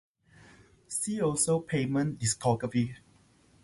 See also Pavement discography.